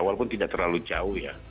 walaupun tidak terlalu jauh ya